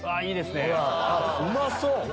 うまそう！